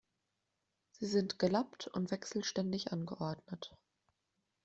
Sie sind gelappt und wechselständig angeordnet.